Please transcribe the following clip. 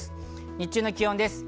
日中の気温です。